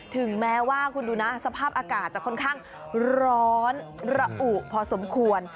ถึงแม้ว่าคุณดูนะสภาพอากาศจะค่อนข้างร้อนระอุพอสมควร